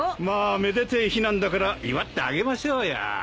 まあめでてえ日なんだから祝ってあげましょうや。